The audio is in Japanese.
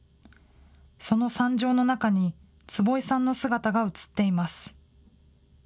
その惨状の中に、坪井さんの姿が写っています。